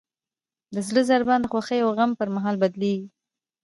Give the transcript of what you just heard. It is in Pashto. د زړه ضربان د خوښۍ او غم پر مهال بدلېږي.